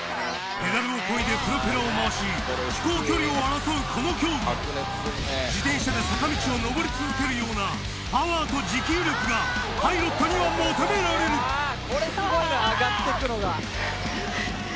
ペダルを漕いでプロペラを回し飛行距離を争うこの競技自転車で坂道を上り続けるようなパワーと持久力がパイロットには求められるこれすごいな上がっていくのが。